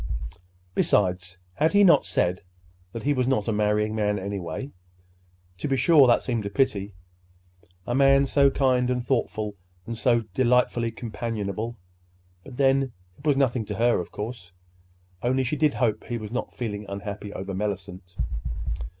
Besides, had he not said that he was not a marrying man, anyway? To be sure, that seemed a pity—a man so kind and thoughtful and so delightfully companionable! But then, it was nothing to her, of course—only she did hope he was not feeling unhappy over Mellicent!